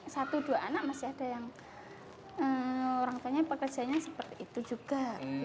satu dua anak masih ada yang orang tuanya pekerjanya seperti itu juga